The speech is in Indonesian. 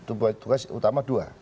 tugas utama dua